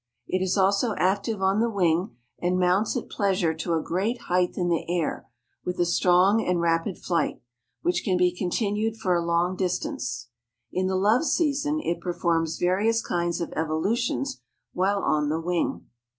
It is also active on the wing and mounts at pleasure to a great height in the air, with a strong and rapid flight, which can be continued for a long distance. In the love season it performs various kinds of evolutions while on the wing.